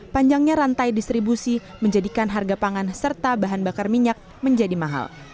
panjangnya rantai distribusi menjadikan harga pangan serta bahan bakar minyak menjadi mahal